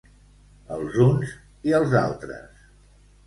Els uns i els altres.